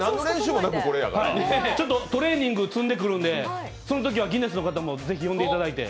ちょっとトレーニング積んでくるんでそのときはギネスの方もぜひ呼んでいただいて。